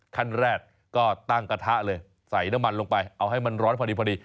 ขั้นแรกก็ตั้งกระทะเลยใส่น้ำมันลงไปเอาให้มันร้อนพอดี